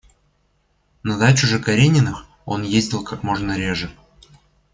На дачу же Карениных он ездил как можно реже.